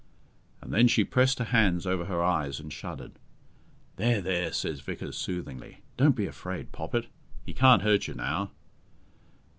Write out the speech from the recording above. And then she pressed her hands over her eyes and shuddered. "There, there," says Vickers soothingly, "don't be afraid, Poppet; he can't hurt you now."